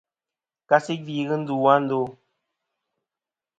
Kasi gvi ghɨ ndu a ndo.